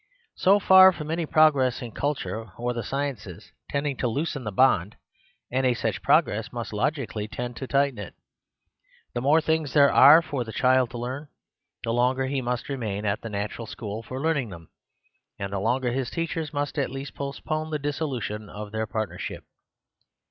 So far from any progress in culture or the sciences tending to loosen the bond, any such progress must logically tend to tighten it The more things there are for the child to learn, the longer he must remain at the natural school for learning them ; and the longer his teachers must at least postpone the dissolution of their partnership.